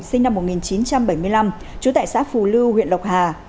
sinh năm một nghìn chín trăm bảy mươi năm trú tại xã phù lưu huyện lộc hà